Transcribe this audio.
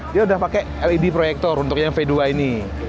dia sudah pakai led proyektor untuk yang v dua ini